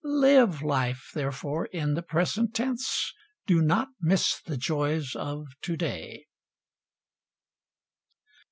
Live life, therefore, in the present tense; do not miss the joys of to day.